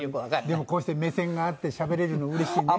でもこうして目線が合ってしゃべれるのうれしいね。